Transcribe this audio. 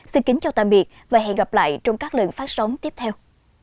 xin kính chào tạm biệt và hẹn gặp lại trong các lần phát sóng tiếp theo